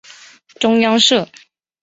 中央社